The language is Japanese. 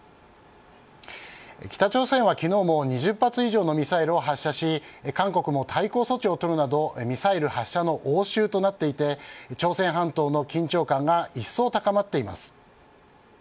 北朝鮮は昨日も２０発以上のミサイルを発射し韓国も対抗措置を取るなどミサイル発射の応酬となっていて朝鮮半島の緊張感がいっそう高まっています。